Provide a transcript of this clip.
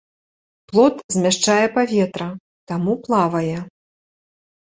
Плод змяшчае паветра, таму плавае.